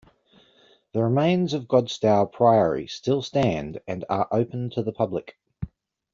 The remains of Godstow Priory still stand and are open to the public.